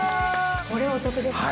これお得ですね。